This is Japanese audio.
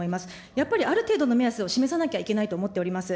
やっぱりある程度の目安を示さなきゃいけないと思っております。